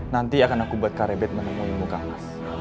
nanti akan aku buat karebet menemuimu kamas